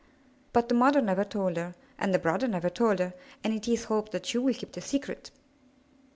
But the mother never told her, and the brother never told her, and it is hoped that you will keep the secret.